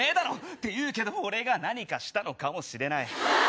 っていうけど俺が何かしたのかもしれない。